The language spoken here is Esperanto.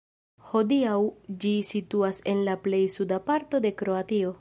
Hodiaŭ ĝi situas en la plej suda parto de Kroatio.